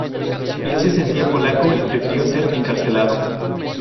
Él se sentía polaco y prefirió ser encarcelado.